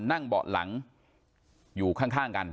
นั่งเบาะหลังอยู่ข้างกัน